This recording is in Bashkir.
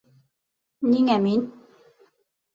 Ниңә мин?